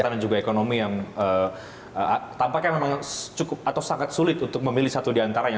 pertahanan juga ekonomi yang tampaknya memang cukup atau sangat sulit untuk memilih satu diantaranya